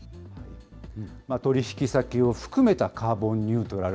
取り引き先を含めたカーボンニュートラル。